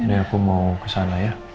dari aku mau kesana ya